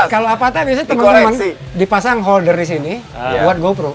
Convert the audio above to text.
kalau avato biasanya temen temen dipasang holder di sini buat gopro